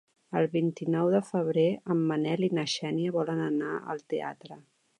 El vint-i-nou de febrer en Manel i na Xènia volen anar al teatre.